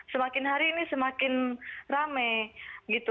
semakin hari ini semakin ramai